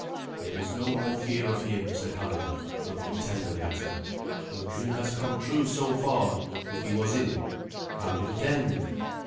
"There is no more fear of him," said Havelok, looking tenderly at her. "Your dream has come true so far, if he was in it. How did it end?"